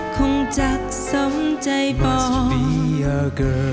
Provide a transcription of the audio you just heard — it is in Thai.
คงจักซ้ำใจบอกที่เรียกรอ